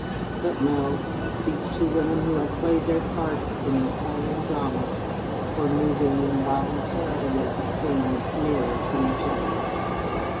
But, no, these two women who had played their parts in an appalling drama, were moving, involuntarily, as it seemed, nearer to each other.